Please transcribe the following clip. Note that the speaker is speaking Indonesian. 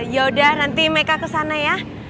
yaudah nanti mereka kesana ya